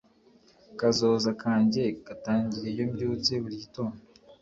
kazoza kanjye gatangira iyo mbyutse buri gitondo